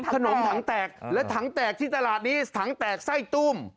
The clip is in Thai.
ขนมถังแตกและถังแตกที่ตลาดนี้ถังแตกไส้ตุ้ม